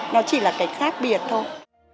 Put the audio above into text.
nó chỉ là cái khác biệt thôi